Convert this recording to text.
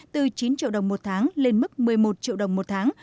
từ chín triệu đồng một tháng lên mức một mươi một triệu đồng một tháng